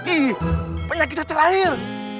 ih penyakit cacar air